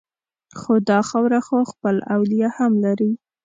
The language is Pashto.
خو دا خاوره خو خپل اولیاء هم لري